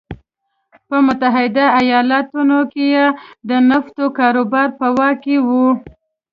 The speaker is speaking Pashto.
په متحده ایالتونو کې یې د نفتو کاروبار په واک کې و.